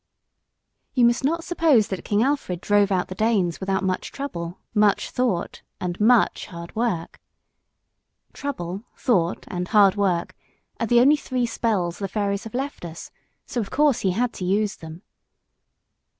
You must not suppose that King Alfred drove out the Danes without much trouble, much thought, and much hard work. Trouble, thought, and hard work are the only three spells the fairies have left us, so of course he had to use them.